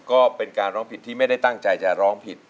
ก็เป็นการร้องผิดที่ไม่ได้ตั้งใจจะร้องผิด